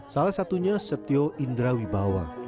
salah satunya setio indra wibawa